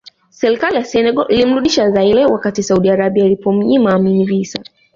Serikali ya Senegal ilimrudisha Zaire wakati Saudi Arabia ilipomnyima Amin visa